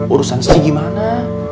urusan si gimana